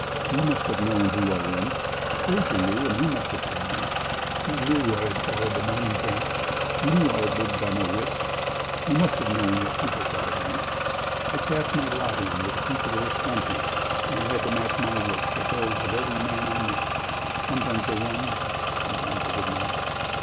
"You must have known who I am. Fraser knew, and he must have told you. You knew I had followed the mining camps, you knew I had lived by my wits. You must have known what people thought of me. I cast my lot in with the people of this country, and I had to match my wits with those of every man I met. Sometimes I won, sometimes I did not.